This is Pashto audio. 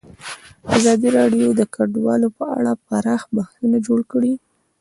ازادي راډیو د کډوال په اړه پراخ بحثونه جوړ کړي.